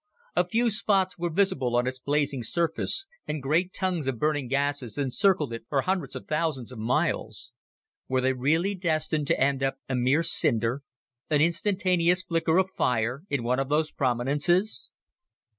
A few spots were visible on its blazing surface, and great tongues of burning gases encircled it for hundreds of thousands of miles. Were they really destined to end a mere cinder an instantaneous flicker of fire in one of those prominences?